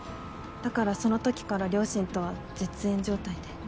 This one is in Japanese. だからそのときから両親とは絶縁状態で。